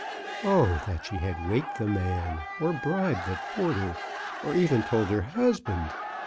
Oh that she had waked the man, or bribed the porter, or even told her husband